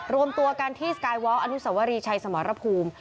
รวมตัวกันที่สกายวอล์อนุสวรีชัยสมรภูมิ